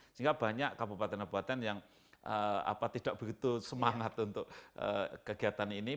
sehingga banyak kabupaten kabupaten yang tidak begitu semangat untuk kegiatan ini